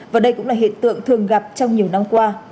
và đây cũng là hiện tượng thường gặp trong nhiều năm qua